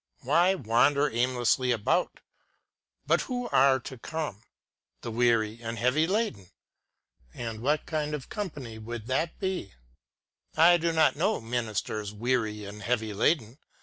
Why wander aimlessly about .? But who are to come } The weary and heavy laden ! And what kind of company would that be } I do not know Messrs. Weary and Heavy Laden.